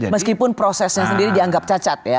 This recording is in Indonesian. meskipun prosesnya sendiri dianggap cacat ya